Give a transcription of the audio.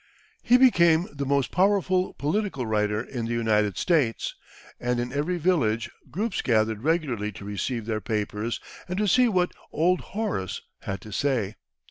He became the most powerful political writer in the United States, and in every village groups gathered regularly to receive their papers and to see what "Old Horace" had to say.